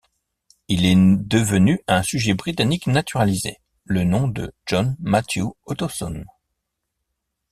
Il est devenu un sujet britannique naturalisé, le nom de John Matthew Ottoson.